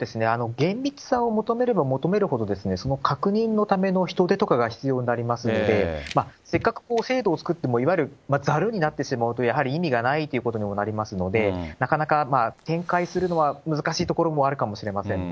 厳密さを求めれば求めるほど、その確認のための人手とかが必要になりますので、せっかく制度を作っても、いわゆるざるになってしまうと、やはり意味がないということにもなりますので、なかなか展開するのは難しいところもあるかもしれませんね。